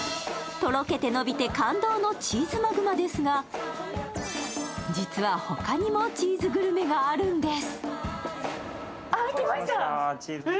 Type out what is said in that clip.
とろけて伸びて感動のチーズマグマですが、実はほかにもチーズグルメがあるんです。